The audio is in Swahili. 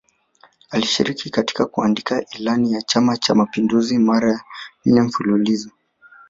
Alishiriki katika kuandika Ilani ya Chama cha Mapinduzi mara nne mfululizo